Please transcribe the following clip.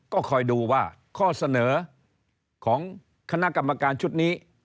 ก็คอยดูว่าข้อเสนอของคณะกรรมการชุดนี้